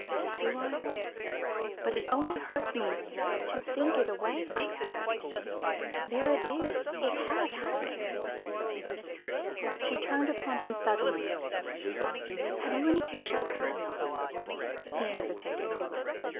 "Do I? But it only hurts me to think it away like that. There it is it has happened." She turned upon him suddenly. "Have you any picture of her?" He hesitated.